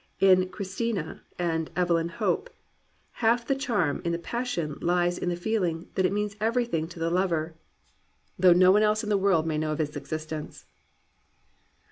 In Cristina and Evelyn Hope half the charm of the passion lies in the feeUng that it means everything to the lover though no 253 COMPANIONABLE BOOKS one else in the world may know of its existence.